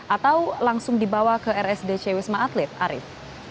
atau langsung dibawa ke rsd cewisma atlet arief